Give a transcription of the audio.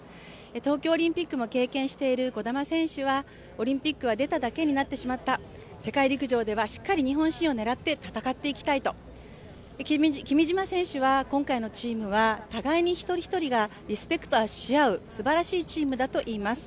東京オリンピックも経験している兒玉選手はオリンピックは出ただけになってしまった世界陸上ではしっかり日本新を狙って戦っていきたい、君嶋選手は今回のチームは互いに一人一人がリスペクトし合うすばらしいチームだといいます。